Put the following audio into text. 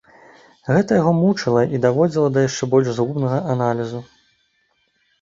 Гэта яго мучыла і даводзіла да яшчэ больш згубнага аналізу.